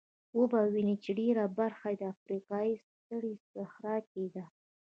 وبه وینئ چې ډېره برخه یې د افریقا سترې صحرا کې ده.